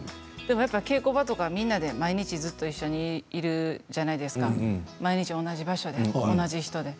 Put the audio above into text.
稽古場とかみんな毎日一緒にいるじゃないですか毎日同じ場所で同じ人で。